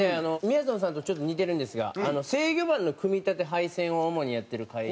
みやぞんさんとちょっと似てるんですが制御盤の組み立て配線を主にやってる会社で。